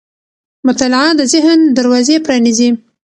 مطالعه د ذهن دروازې پرانیزي.